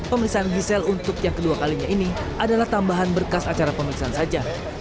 pemeriksaan gisal untuk yang kedua kalinya ini adalah tambahan berkas acara pemeriksaan saja